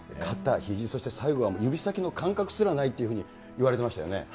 ひじ、最後は指先の感覚すらないというふうにいわれてましたよね。